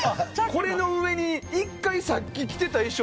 これの上に１回さっき着てた衣装